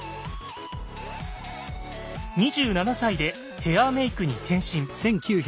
２７歳でヘアーメイクに転身。